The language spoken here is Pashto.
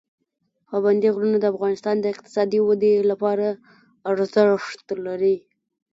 پابندی غرونه د افغانستان د اقتصادي ودې لپاره ارزښت لري.